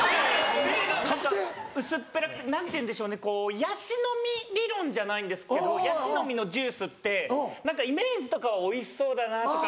薄っぺらくて何ていうんでしょうねこうヤシの実理論じゃないんですけどヤシの実のジュースって何かイメージとかはおいしそうだなとか。